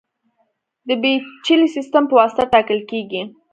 د پېچلي سیستم په واسطه ټاکل کېږي.